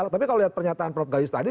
tapi kalau lihat pernyataan prof gayus tadi